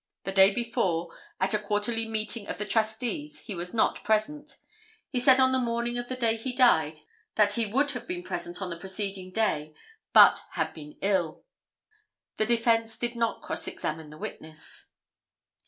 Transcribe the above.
The day before, at a quarterly meeting of the trustees, he was not present. He said on the morning of the day he died that he would have been present on the preceding day, but had been ill." The defence did not cross examine the witness.